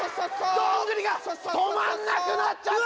どんぐりが止まんなくなっちゃったよ！